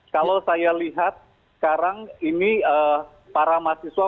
kalau saya lihat sekarang ini para mahasiswa